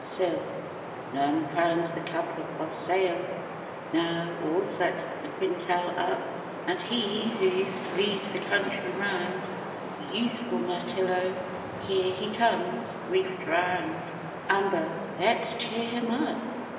SIL. None crowns the cup Of wassail now, or sets the quintel up: And he, who used to lead the country round, Youthful Mirtillo, here he comes, grief drown'd. AMBO. Let's cheer him up.